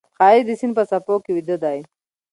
ښایست د سیند په څپو کې ویده دی